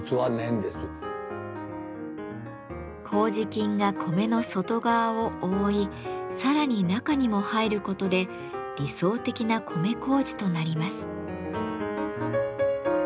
麹菌が米の外側を覆いさらに中にも入ることで理想的な米麹となります。